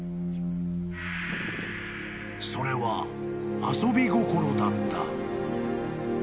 ［それは遊び心だった］